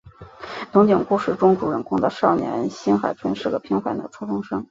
憧憬故事中主人公的少年新海春是个平凡的初中生。